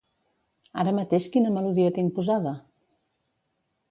Ara mateix quina melodia tinc posada?